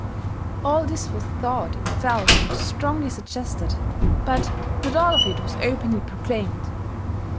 All this was thought and felt and strongly suggested; but not all of it was openly proclaimed.